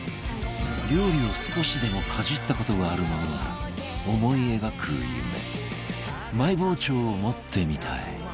料理を少しでもかじった事がある者なら思い描く夢「ＭＹ 包丁を持ってみたい」